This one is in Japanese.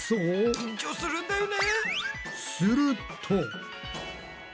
緊張するんだよね。